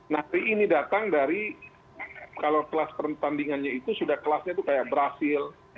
nanti ini datang dari kalau kelas pertandingannya itu sudah kelasnya itu kayak brazil